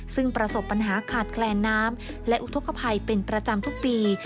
ซึ่งประสบปัญหาขาดแคลนน้ำและอุทธกภัยเป็นประจำทุกปี